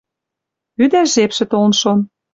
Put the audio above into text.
Ӱдӓш жепшӹ толын шон.